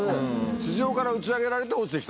地上から打ち上げられて落ちて来たと。